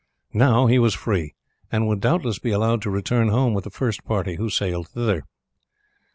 Now he was free, and would doubtless be allowed to return home with the first party who sailed thither.